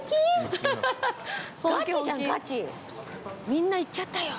みんな行っちゃったよ。